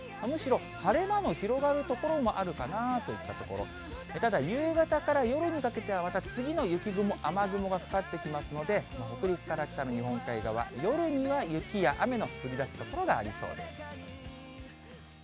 むしろ晴れ間の広がる所もあるかなといったところ、ただ、夕方から夜にかけては、また次の雪雲、雨雲がかかってきますので、北陸から北の日本海側、夜には雪や雨の降りだすところがありそうです。